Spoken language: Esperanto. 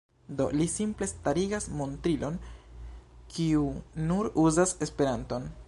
Do, li simple starigas montrilon, kiu nur uzas Esperanton.